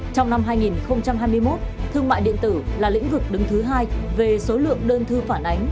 trong năm hai nghìn hai mươi một thương mại điện tử là lĩnh vực đứng thứ hai về số lượng đơn thư phản ánh